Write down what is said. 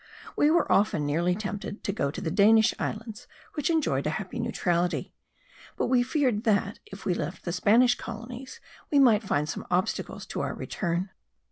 We were often nearly tempted to go to the Danish islands which enjoyed a happy neutrality; but we feared that, if we left the Spanish colonies, we might find some obstacles to our return.